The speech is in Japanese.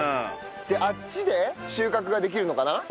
あっちで収穫ができるのかな？